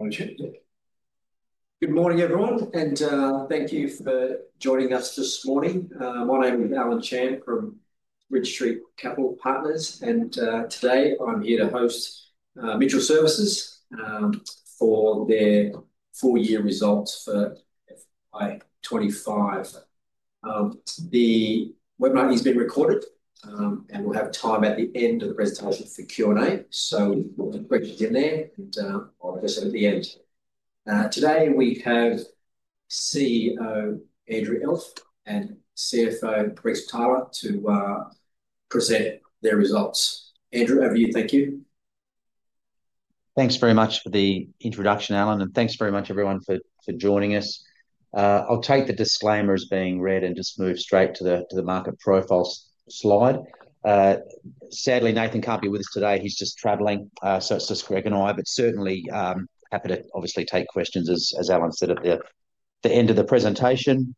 Good morning, everyone, and thank you for joining us this morning. My name is Alan Chan from Richtree Capital Partners, and today I'm here to host Mitchell Services for their full-year results for FY 2025. The webinar is being recorded, and we'll have time at the end of the presentation for Q&A. Please put the questions in there, and I'll address it at the end. Today we have CEO Andrew Elf and CFO Greg Switala to present their results. Andrew, over to you. Thank you. Thanks very much for the introduction, Alan, and thanks very much, everyone, for joining us. I'll take the disclaimers being read and just move straight to the market profile slide. Sadly, Nathan can't be with us today – he's just travelling, so it's just Greg and I, but certainly happy to obviously take questions, as Alan said, at the end of the presentation.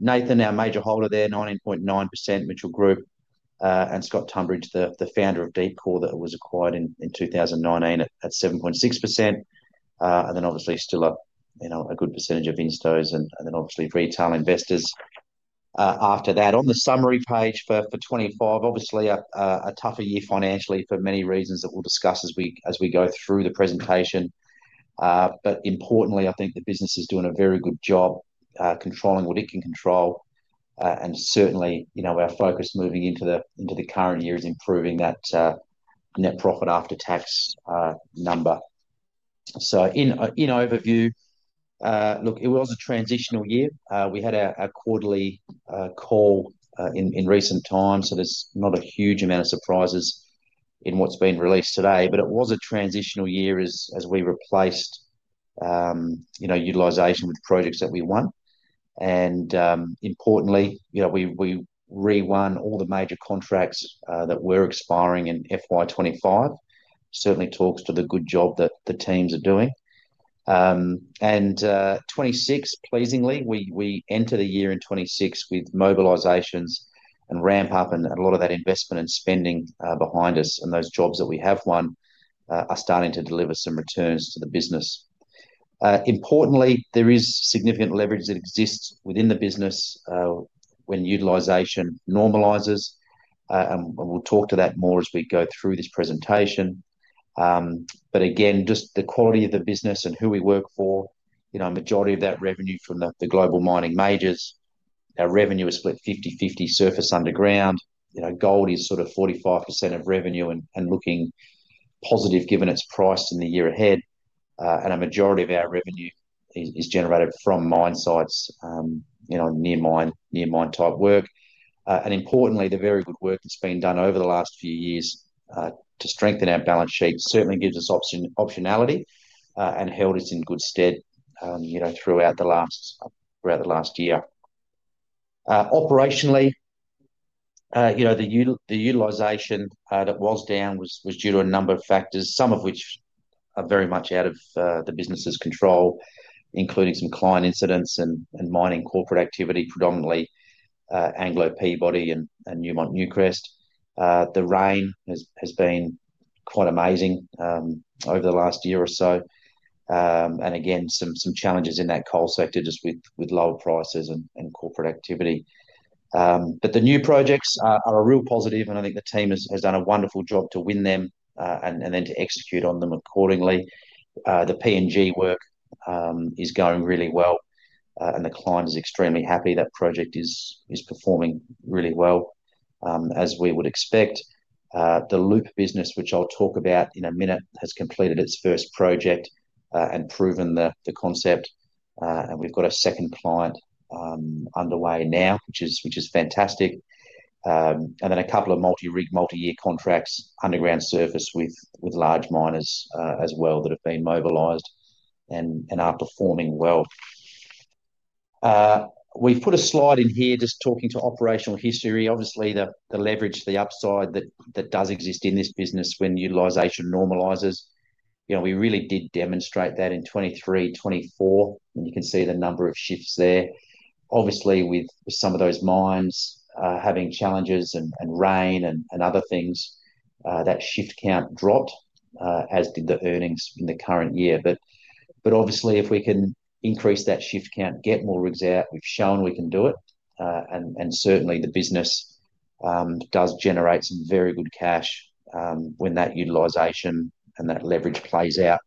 Nathan, our major holder there, 19.9%, Mitchell Group, and Scott Tunbridge, the founder of DeepCore that was acquired in 2019 at 7.6%, and then still a good percentage of instos, and then retail investors. After that, on the summary page for 2025, obviously a tougher year financially for many reasons that we'll discuss as we go through the presentation. Importantly, I think the business is doing a very good job controlling what it can control, and certainly, our focus moving into the current year is improving that net profit after-tax number. In overview, it was a transitional year. We had a quarterly call in recent times, so there's not a huge amount of surprises in what's been released today, but it was a transitional year as we replaced utilisation with projects that we won. Importantly, we re-won all the major contracts that were expiring in FY 2025. That certainly talks to the good job that the teams are doing. In 2026, pleasingly, we enter the year in 2026 with mobilisations and ramp-up, and a lot of that investment and spending behind us and those jobs that we have won are starting to deliver some returns to the business. Importantly, there is significant leverage that exists within the business when utilisation normalises, and we'll talk to that more as we go through this presentation. Again, just the quality of the business and who we work for, a majority of that revenue from the global mining majors. Our revenue is split 50/50 surface underground. Gold is sort of 45% of revenue and looking positive given its price in the year ahead, and a majority of our revenue is generated from mine sites, near mine-type work. Importantly, the very good work that's been done over the last few years to strengthen our balance sheet certainly gives us optionality and held us in good stead throughout the last year. Operationally, the utilisation that was down was due to a number of factors, some of which are very much out of the business's control, including some client incidents and mining corporate activity, predominantly Anglo, Peabody, and Newmont/Newcrest. The rain has been quite amazing over the last year or so, and again, some challenges in that coal sector just with lower prices and corporate activity. The new projects are a real positive, and I think the team has done a wonderful job to win them and then to execute on them accordingly. The P&G work is going really well, and the client is extremely happy that project is performing really well, as we would expect. The Loop business, which I'll talk about in a minute, has completed its first project and proven the concept, and we've got a second client underway now, which is fantastic. A couple of multi-rig, multi-year contracts underground surface with large miners as well have been mobilised and are performing well. We've put a slide in here just talking to operational history. Obviously, the leverage, the upside that does exist in this business when utilisation normalises, we really did demonstrate that in 2023, 2024, and you can see the number of shifts there. With some of those mines having challenges and rain and other things, that shift count dropped, as did the earnings in the current year. If we can increase that shift count, get more rigs out, we've shown we can do it, and certainly the business does generate some very good cash when that utilisation and that leverage plays out.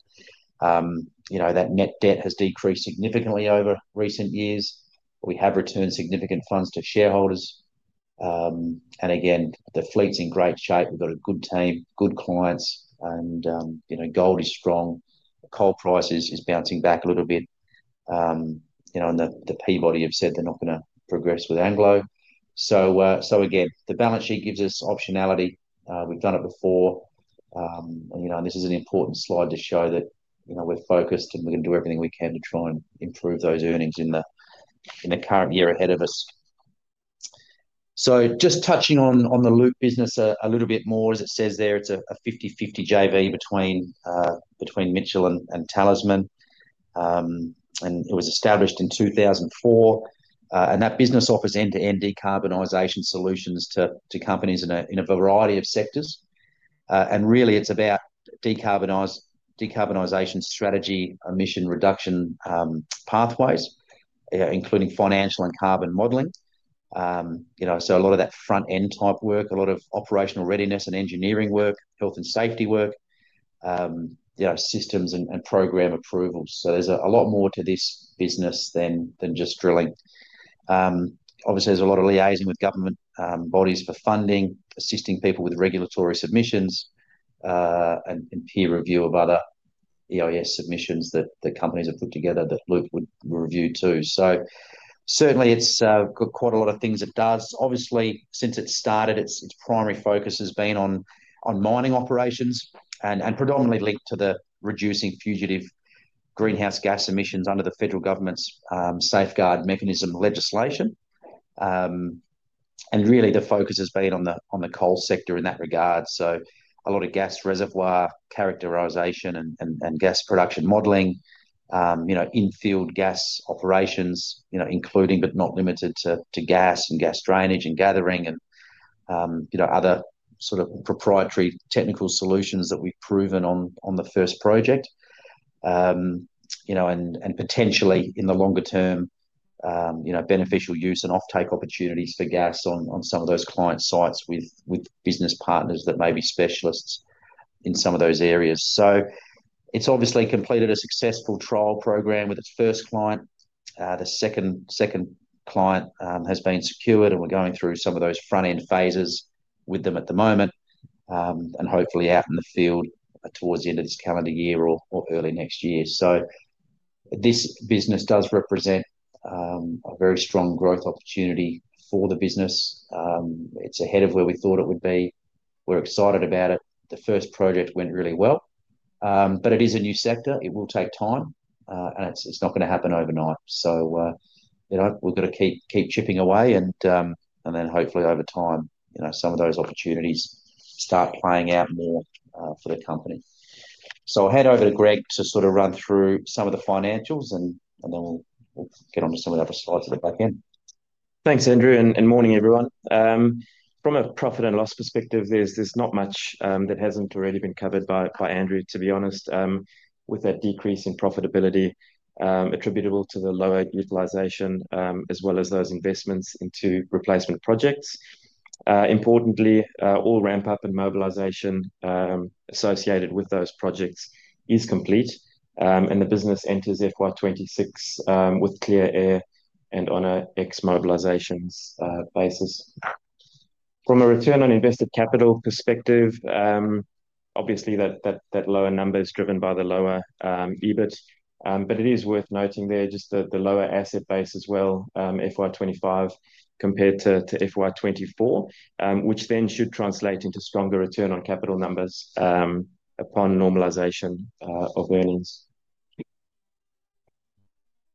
Net debt has decreased significantly over recent years. We have returned significant funds to shareholders, and the fleet's in great shape. We've got a good team, good clients, and gold is strong. Coal price is bouncing back a little bit, and Peabody have said they're not going to progress with Anglo. The balance sheet gives us optionality. We've done it before, and this is an important slide to show that we're focused and we're going to do everything we can to try and improve those earnings in the current year ahead of us. Just touching on the Loop business a little bit more, as it says there, it's a 50/50 JV between Mitchell Services and Talisman, and it was established in 2004. That business offers end-to-end decarbonisation solutions to companies in a variety of sectors, and really it's about decarbonisation strategy, emission reduction pathways, including financial and carbon modeling. A lot of that front-end type work, a lot of operational readiness and engineering work, health and safety work, systems and program approvals. There's a lot more to this business than just drilling. Obviously, there's a lot of liaising with government bodies for funding, assisting people with regulatory submissions, and peer review of other EIS submissions that the companies have put together that Loop would review too. It has quite a lot of things it does. Since it started, its primary focus has been on mining operations and predominantly linked to reducing fugitive greenhouse gas emissions under the federal safeguard mechanism legislation. The focus has been on the coal sector in that regard. A lot of gas reservoir characterization and gas production modeling, infield gas operations, including but not limited to gas and gas drainage and gathering and other proprietary technical solutions that we've proven on the first project. Potentially in the longer term, beneficial use and off-take opportunities for gas on some of those client sites with business partners that may be specialists in some of those areas. It's completed a successful trial program with its first client. The second client has been secured, and we're going through some of those front-end phases with them at the moment, and hopefully out in the field towards the end of this calendar year or early next year. This business does represent a very strong growth opportunity for the business. It's ahead of where we thought it would be. We're excited about it. The first project went really well, but it is a new sector. It will take time, and it's not going to happen overnight. We've got to keep chipping away, and hopefully over time, some of those opportunities start playing out more for the company. I'll hand over to Greg to run through some of the financials, and then we'll get onto some of the other slides at the back end. Thanks, Andrew, and morning, everyone. From a profit and loss perspective, there's not much that hasn't already been covered by Andrew, to be honest, with that decrease in profitability attributable to the lower utilisation as well as those investments into replacement projects. Importantly, all ramp-up and mobilisation associated with those projects is complete, and the business enters FY 2026 with clear air and on an ex-mobilisations basis. From a return on invested capital perspective, obviously that lower number is driven by the lower EBIT, but it is worth noting there just the lower asset base as well, FY 2025 compared to FY 2024, which then should translate into stronger return on capital numbers upon normalisation of earnings.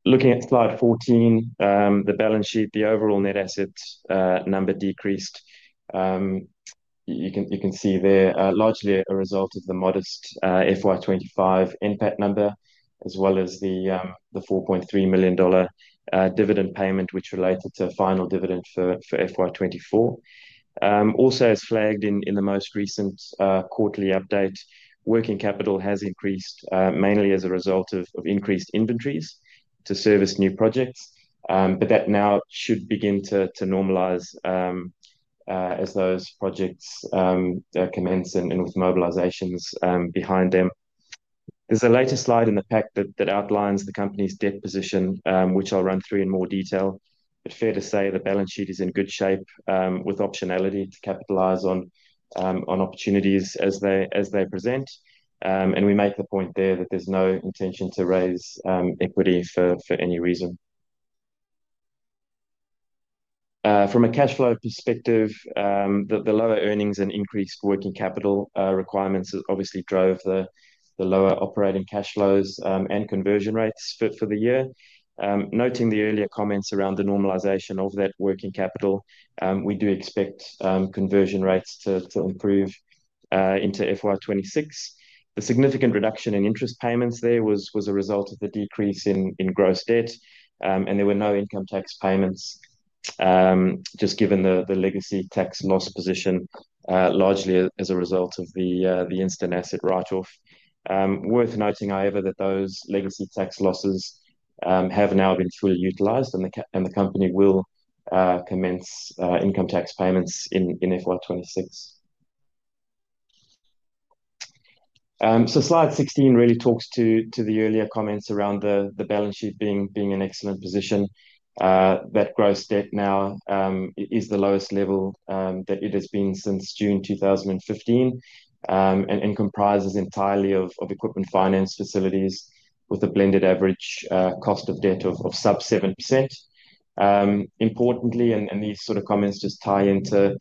Looking at slide 14, the balance sheet, the overall net assets number decreased. You can see there largely a result of the modest FY 2025 NPAT number as well as the $4.3 million dividend payment, which related to final dividend for FY 2024. Also, as flagged in the most recent quarterly update, working capital has increased mainly as a result of increased inventories to service new projects, but that now should begin to normalise as those projects commence and with mobilisations behind them. There's a later slide in the pack that outlines the company's debt position, which I'll run through in more detail. It's fair to say the balance sheet is in good shape with optionality to capitalise on opportunities as they present, and we make the point there that there's no intention to raise equity for any reason. From a cash flow perspective, the lower earnings and increased working capital requirements obviously drove the lower operating cash flows and conversion rates for the year. Noting the earlier comments around the normalisation of that working capital, we do expect conversion rates to improve into FY 2026. The significant reduction in interest payments there was a result of the decrease in gross debt, and there were no income tax payments just given the legacy tax loss position largely as a result of the instant asset write-off. Worth noting, however, that those legacy tax losses have now been fully utilised, and the company will commence income tax payments in FY 2026. Slide 16 really talks to the earlier comments around the balance sheet being in an excellent position. That gross debt now is the lowest level that it has been since June 2015 and comprises entirely of equipment finance facilities with a blended average cost of debt of sub-7%. Importantly, and these sort of comments just tie into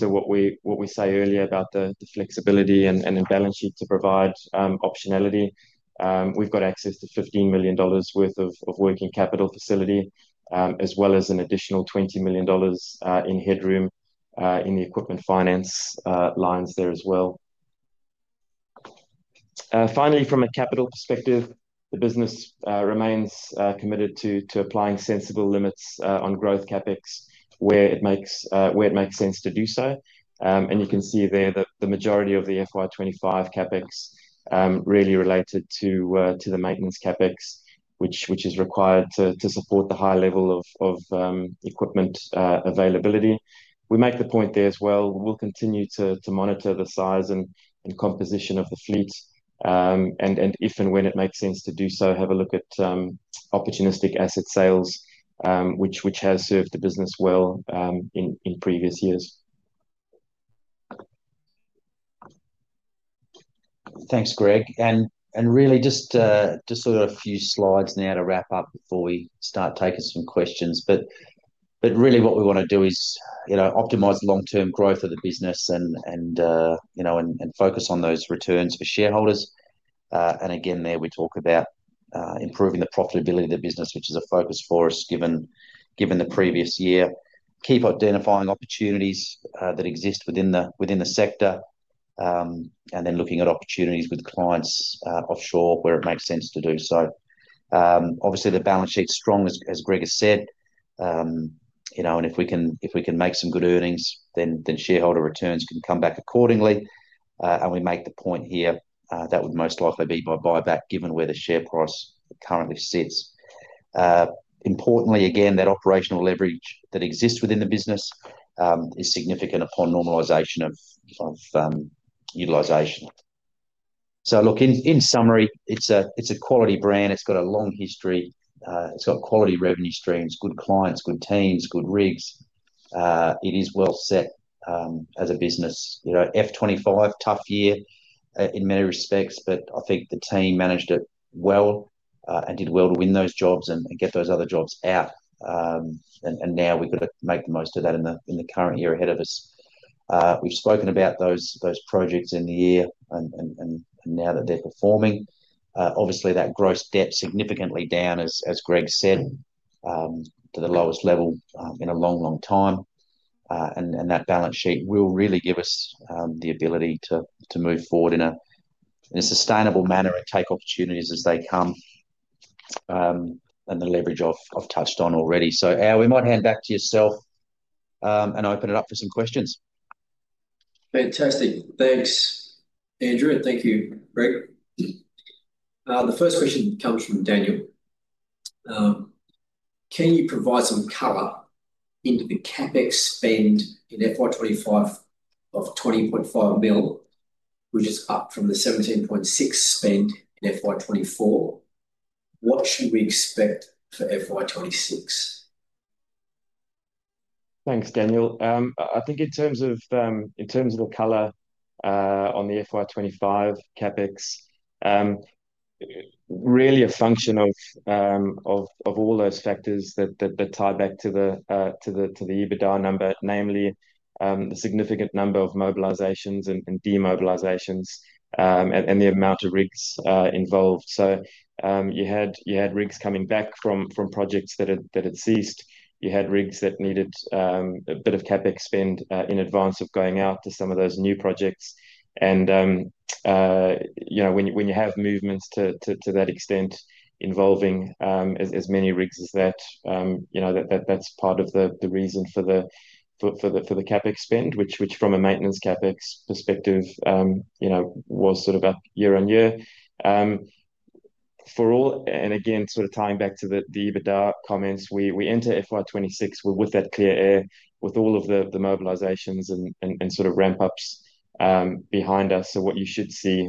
what we say earlier about the flexibility and the balance sheet to provide optionality, we've got access to $15 million worth of working capital facility as well as an additional $20 million in headroom in the equipment finance lines there as well. Finally, from a capital perspective, the business remains committed to applying sensible limits on growth CapEx where it makes sense to do so, and you can see there that the majority of the FY 2025 CapEx really related to the maintenance CapEx, which is required to support the high level of equipment availability. We make the point there as well, we'll continue to monitor the size and composition of the fleet, and if and when it makes sense to do so, have a look at opportunistic asset sales, which has served the business well in previous years. Thanks, Greg. Just a few slides now to wrap up before we start taking some questions. What we want to do is optimize long-term growth of the business and focus on those returns for shareholders. Again, there we talk about improving the profitability of the business, which is a focus for us given the previous year. Keep identifying opportunities that exist within the sector, and then look at opportunities with clients offshore where it makes sense to do so. Obviously, the balance sheet's strong, as Greg has said, and if we can make some good earnings, then shareholder returns can come back accordingly. We make the point here that would most likely be by buyback given where the share price currently sits. Importantly, that operational leverage that exists within the business is significant upon normalization of utilization. In summary, it's a quality brand. It's got a long history. It's got quality revenue streams, good clients, good teams, good rigs. It is well set as a business. F 2025, tough year in many respects, but I think the team managed it well and did well to win those jobs and get those other jobs out. Now we've got to make the most of that in the current year ahead of us. We've spoken about those projects in the year and now that they're performing. Obviously, that gross debt's significantly down, as Greg said, to the lowest level in a long, long time. That balance sheet will really give us the ability to move forward in a sustainable manner and take opportunities as they come. The leverage I've touched on already. Al, we might hand back to yourself and open it up for some questions. Fantastic. Thanks, Andrew. Thank you, Greg. The first question comes from Daniel. Can you provide some color into the CapEx spend in FY 2025 of $20.5 million, which is up from the $17.6 million spend in FY 2024? What should we expect for FY 2026? Thanks, Daniel. I think in terms of the color on the FY 2025 CapEx, really a function of all those factors that tie back to the EBITDA number, namely the significant number of mobilizations and demobilizations and the amount of rigs involved. You had rigs coming back from projects that had ceased. You had rigs that needed a bit of CapEx spend in advance of going out to some of those new projects. When you have movements to that extent involving as many rigs as that, that's part of the reason for the CapEx spend, which from a maintenance CapEx perspective was sort of up year on year. For all, and again, sort of tying back to the EBITDA comments, we enter FY 2026 with that clear air, with all of the mobilizations and sort of ramp-ups behind us. What you should see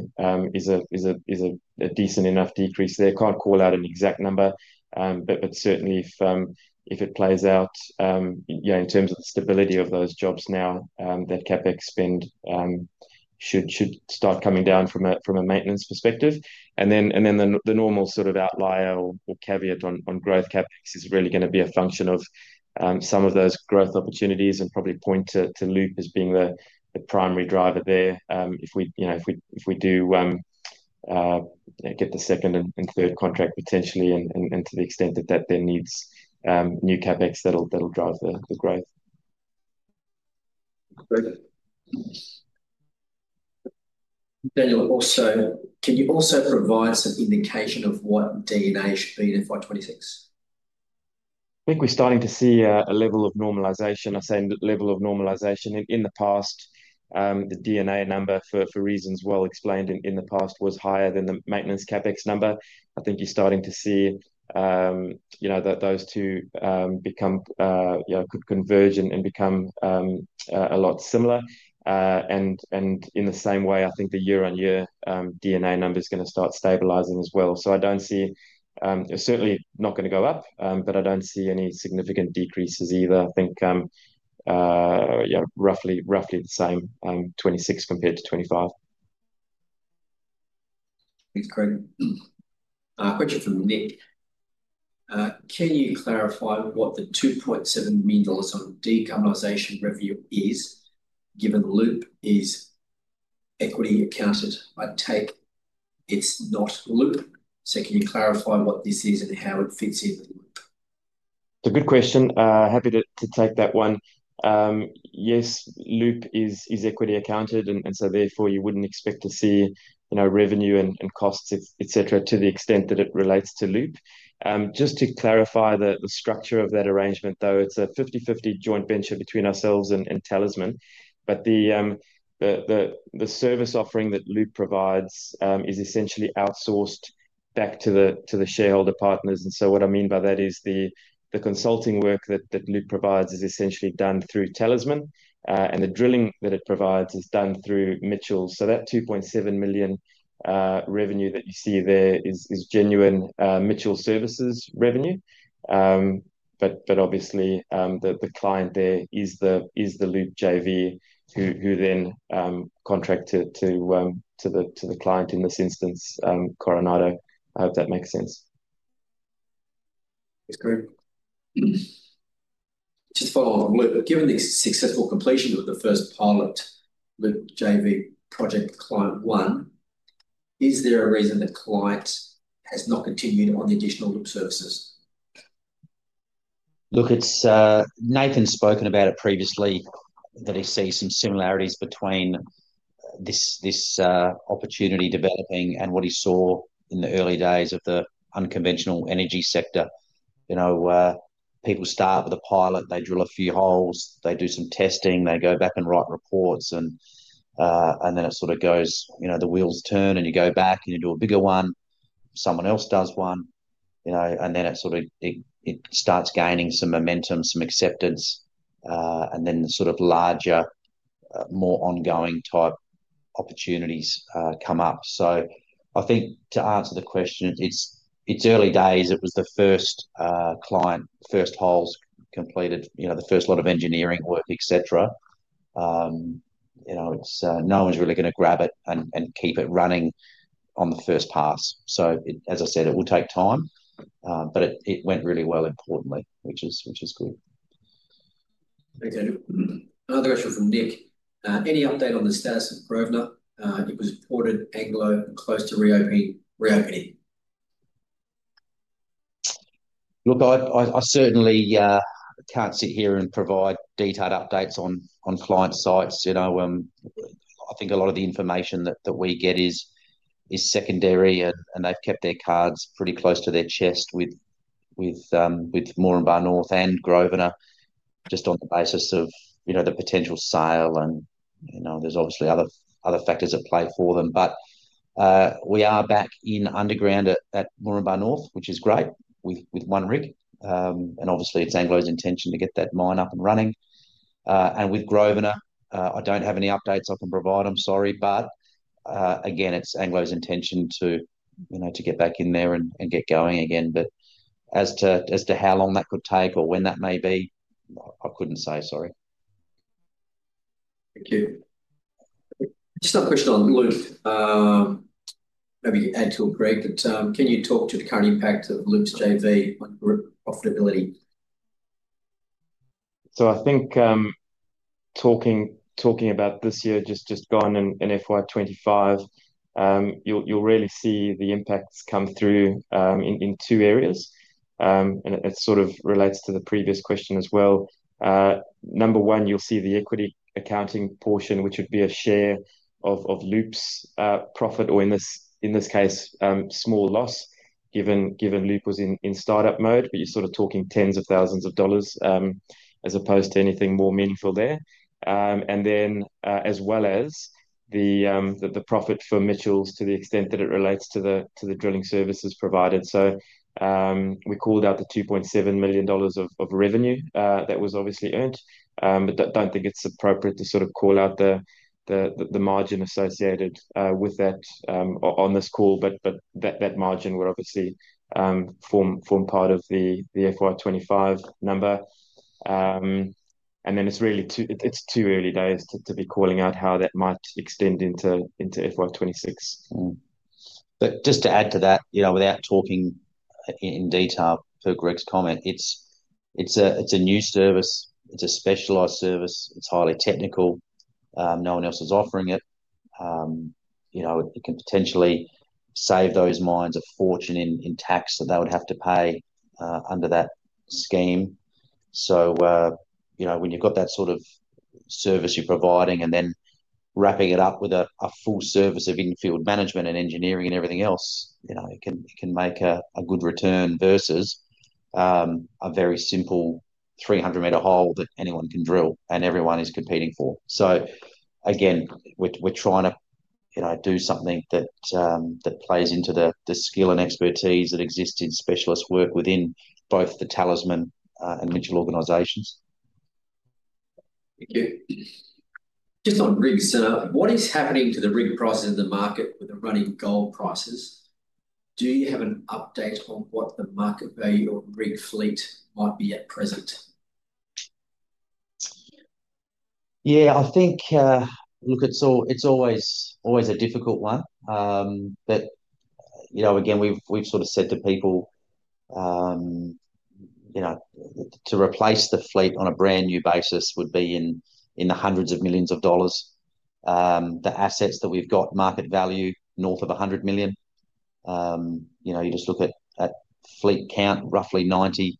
is a decent enough decrease there. Can't call out an exact number, but certainly if it plays out in terms of the stability of those jobs now, that CapEx spend should start coming down from a maintenance perspective. The normal sort of outlier or caveat on growth CapEx is really going to be a function of some of those growth opportunities and probably point to Loop as being the primary driver there. If we do get the second and third contract potentially, and to the extent that that then needs new CapEx, that'll drive the growth. Daniel, Can you also provide some indication of what D&A should be in FY 2026? I think we're starting to see a level of normalisation. I say level of normalisation. In the past, the D&A number, for reasons well explained in the past, was higher than the maintenance CapEx number. I think you're starting to see that those two become, you know, could converge and become a lot similar. In the same way, I think the year-on-year D&A number is going to start stabilising as well. I don't see, it's certainly not going to go up, but I don't see any significant decreases either. I think, you know, roughly the same in 2026 compared to 2025. Thanks, Greg. Question from Nick. Can you clarify what the $2.7 million on decarbonisation revenue is? Given the Loop, is equity accounted by Talisman? It's not Loop. Can you clarify what this is and how it fits into the Loop? It's a good question. Happy to take that one. Yes, Loop is equity accounted, and so therefore you wouldn't expect to see, you know, revenue and costs, etc., to the extent that it relates to Loop. Just to clarify the structure of that arrangement, though, it's a 50/50 joint venture between ourselves and Talisman. The service offering that Loop provides is essentially outsourced back to the shareholder partners. What I mean by that is the consulting work that Loop provides is essentially done through Talisman, and the drilling that it provides is done through Mitchell. That $2.7 million revenue that you see there is genuine Mitchell Services revenue. Obviously, the client there is the Loop JV who then contract to the client in this instance, Coronado, if that makes sense. Thanks, Greg. Given the successful completion of the first pilot with JV project client one, is there a reason the client has not continued on the additional Loop services? Look, Nathan's spoken about it previously, that he sees some similarities between this opportunity developing and what he saw in the early days of the unconventional energy sector. People start with a pilot, they drill a few holes, they do some testing, they go back and write reports, and then it sort of goes, the wheels turn and you go back and you do a bigger one, someone else does one, and then it sort of starts gaining some momentum, some acceptance, and then larger, more ongoing type opportunities come up. I think to answer the question, it's early days. It was the first client, first holes completed, the first lot of engineering work, etc. No one's really going to grab it and keep it running on the first pass. As I said, it will take time, but it went really well, importantly, which is cool. Thanks, Andrew. Another question from Nick. Any update on the status of Provna? It was reported Anglo close to reopening. Look, I certainly can't sit here and provide detailed updates on client sites. I think a lot of the information that we get is secondary, and they've kept their cards pretty close to their chest with Morimba North and Grovna just on the basis of the potential sale. There's obviously other factors at play for them. We are back in underground at Morimba North, which is great, with one rig. It's Anglo's intention to get that mine up and running. With Grovna, I don't have any updates I can provide, I'm sorry. It's Anglo's intention to get back in there and get going again. As to how long that could take or when that may be, I couldn't say, sorry. Thank you. Just a question on Loop. Maybe add to it, Greg, but can you talk to the current impact of Loop's JV on profitability? I think talking about this year, just going into FY 2025, you'll really see the impacts come through in two areas, and it sort of relates to the previous question as well. Number one, you'll see the equity accounting portion, which would be a share of Loop's profit, or in this case, small loss, given Loop was in startup mode, but you're sort of talking tens of thousands of dollars as opposed to anything more meaningful there. As well as the profit for Mitchell to the extent that it relates to the drilling services provided. We called out the $2.7 million of revenue that was obviously earned, but I don't think it's appropriate to sort of call out the margin associated with that on this call. That margin will obviously form part of the FY 2025 number. It's too early days to be calling out how that might extend into FY 2026. Just to add to that, without talking in detail to Greg's comment, it's a new service. It's a specialized service. It's highly technical. No one else is offering it. It can potentially save those mines a fortune in tax that they would have to pay under that scheme. When you've got that sort of service you're providing and then wrapping it up with a full service of infield management and engineering and everything else, it can make a good return versus a very simple 300-meter hole that anyone can drill and everyone is competing for. We're trying to do something that plays into the skill and expertise that exists in specialist work within both the Talisman and Mitchell organizations. Just on rigs, what is happening to the rig prices in the market with the running gold prices? Do you have an update on what the market value of rig fleet might be at present? Yeah, I think it's always a difficult one. We've sort of said to people, to replace the fleet on a brand new basis would be in the hundreds of millions of dollars. The assets that we've got, market value north of $100 million. You just look at fleet count, roughly 90,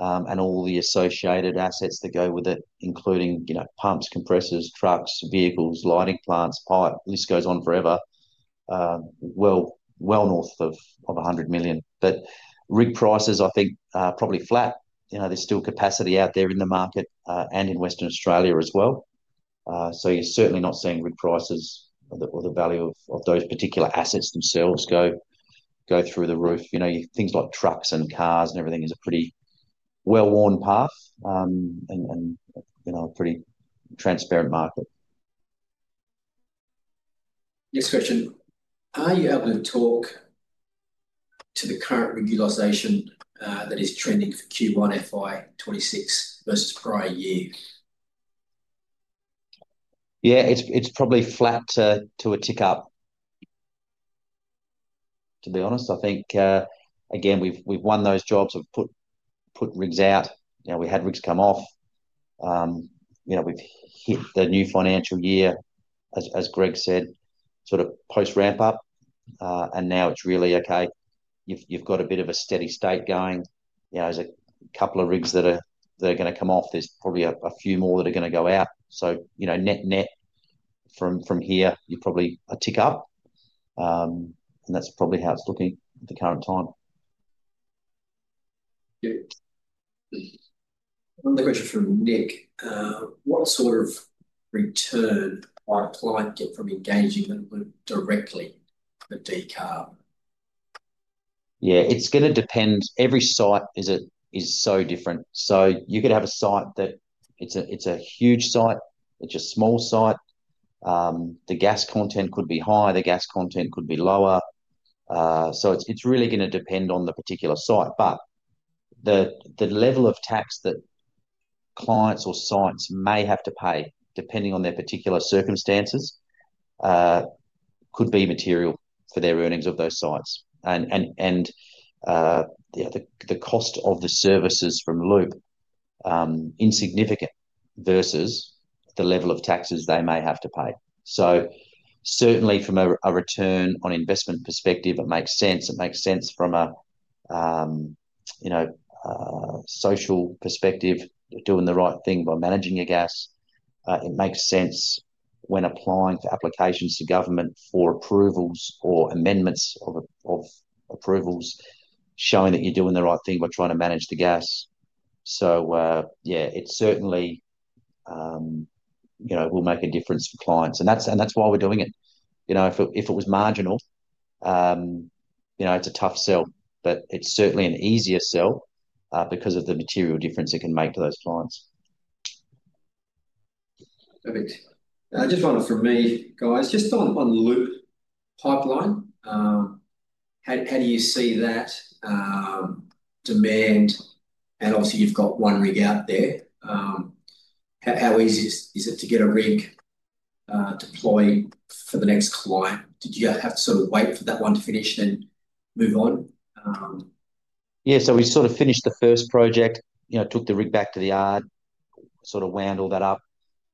and all the associated assets that go with it, including pumps, compressors, trucks, vehicles, lighting plants, pipes, list goes on forever. Well north of $100 million. Rig prices, I think, are probably flat. There's still capacity out there in the market and in Western Australia as well. You're certainly not seeing rig prices or the value of those particular assets themselves go through the roof. Things like trucks and cars and everything is a pretty well-worn path and a pretty transparent market. Next question. Are you able to talk to the current utilization that is trending for Q1 FY 2026 versus prior years? Yeah, it's probably flat to a tick up. To be honest, I think, again, we've won those jobs. We've put rigs out. We had rigs come off. We've hit the new financial year, as Greg said, sort of post-ramp-up, and now it's really, okay, you've got a bit of a steady state going. There's a couple of rigs that are going to come off. There's probably a few more that are going to go out. Net-net from here, you're probably a tick up. That's probably how it's looking at the current time. Another question from Nick. What sort of return might client get from engaging with directly with DeCal? Yeah, it's going to depend. Every site is so different. You could have a site that's a huge site or a small site. The gas content could be high or the gas content could be lower. It's really going to depend on the particular site. The level of tax that clients or sites may have to pay, depending on their particular circumstances, could be material for the earnings of those sites. The cost of the services from Loop is insignificant versus the level of taxes they may have to pay. Certainly, from a return on investment perspective, it makes sense. It makes sense from a social perspective, doing the right thing by managing your gas. It makes sense when applying for applications to government for approvals or amendments of approvals, showing that you're doing the right thing by trying to manage the gas. It certainly will make a difference for clients. That's why we're doing it. If it was marginal, it's a tough sell, but it's certainly an easier sell because of the material difference it can make to those clients. Perfect. I just wanted from me, guys, just on the Loop pipeline, how do you see that demand? Obviously, you've got one rig out there. How easy is it to get a rig deployed for the next client? Did you have to sort of wait for that one to finish and move on? Yeah, we finished the first project, took the rig back to the yard, wound all that up,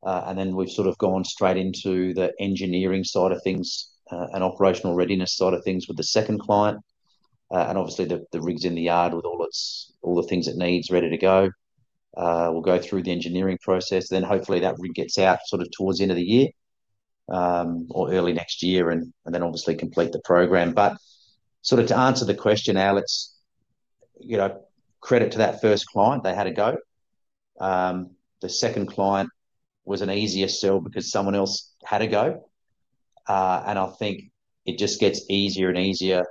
and then we've gone straight into the engineering side of things and operational readiness side of things with the second client. Obviously, the rig's in the yard with all the things it needs ready to go. We'll go through the engineering process, then hopefully that rig gets out towards the end of the year or early next year, and then complete the program. To answer the question, Alan, it's credit to that first client, they had a go. The second client was an easier sell because someone else had a go. I think it just gets easier and easier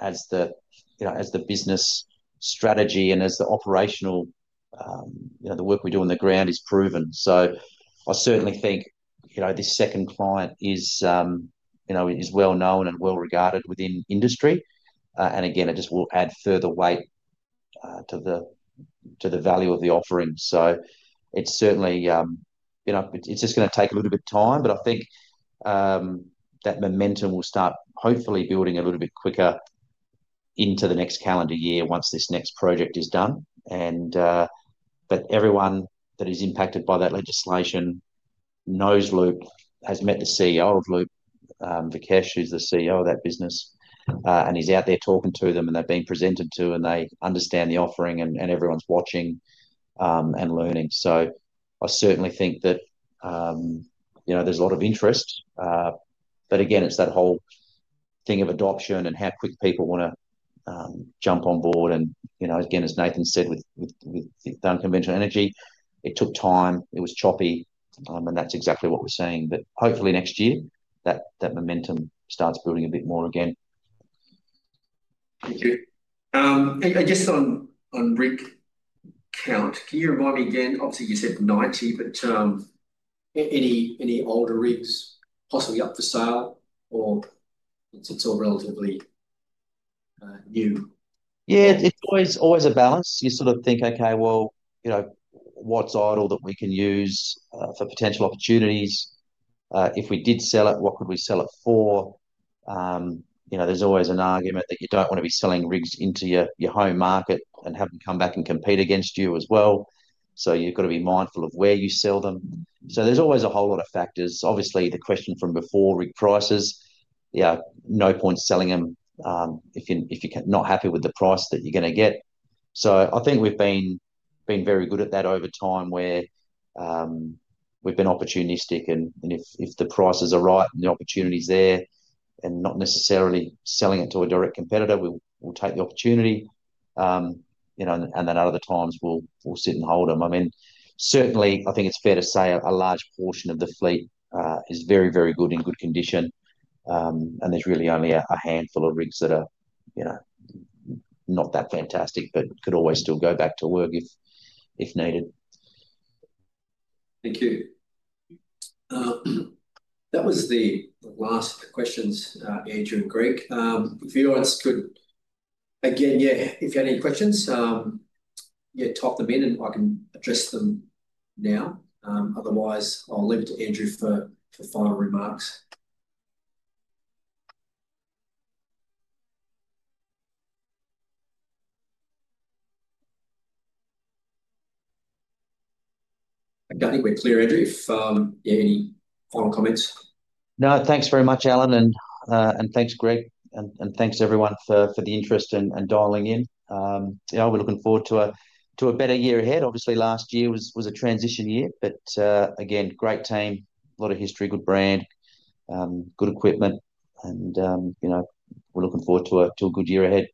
as the business strategy and as the operational work we do on the ground is proven. I certainly think this second client is well known and well regarded within industry. Again, it just will add further weight to the value of the offering. It's certainly just going to take a little bit of time, but I think that momentum will start hopefully building a little bit quicker into the next calendar year once this next project is done. Everyone that is impacted by that legislation knows Loop, has met the CEO of Loop. Vakesh is the CEO of that business, and he's out there talking to them, and they're being presented to, and they understand the offering, and everyone's watching and learning. I certainly think that there's a lot of interest. Again, it's that whole thing of adoption and how quick people want to jump on board. As Nathan said, with the unconventional energy, it took time, it was choppy, and that's exactly what we're seeing. Hopefully next year, that momentum starts building a bit more again. Thank you. I guess on rig count, can you remind me again, obviously you said the night shift, but any older rigs possibly up for sale, or it's all relatively new? Yeah, it's always a balance. You sort of think, okay, what's idle that we can use for potential opportunities? If we did sell it, what could we sell it for? There's always an argument that you don't want to be selling rigs into your home market and have them come back and compete against you as well. You've got to be mindful of where you sell them. There's always a whole lot of factors. Obviously, the question from before, rig prices, there's no point selling them if you're not happy with the price that you're going to get. I think we've been very good at that over time where we've been opportunistic, and if the prices are right and the opportunity's there, and not necessarily selling it to a direct competitor, we'll take the opportunity. Other times we'll sit and hold them. I think it's fair to say a large portion of the fleet is very, very good in good condition, and there's really only a handful of rigs that are not that fantastic, but could always still go back to work if needed. Thank you. That was the last of the questions, Andrew and Greg. If anyone's good, again, if you have any questions, you type them in and I can address them now. Otherwise, I'll leave it to Andrew for final remarks. I don't think we're clear, Andrew. If you have any final comments? No, thanks very much, Alan, and thanks, Greg, and thanks everyone for the interest and dialing in. We're looking forward to a better year ahead. Obviously, last year was a transition year. Again, great team, a lot of history, good brand, good equipment, and we're looking forward to a good year ahead.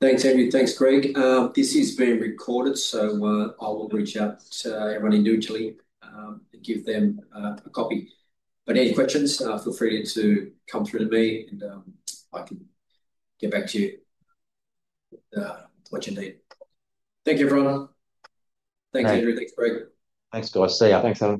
Thanks, Andrew. Thanks, Greg. This is being recorded, so I will reach out to everyone in New Tilly to give them a copy. Any questions, feel free to come through to me, and I can get back to you with what you need. Thank you, everyone. Thanks, Andrew. Thanks, Greg. Thanks, guys. See you. Thanks, Alan.